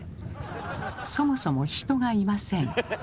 そもそも人がいません。